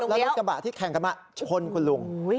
แล้วรถกระบะที่แข่งกันมาชนคุณลุง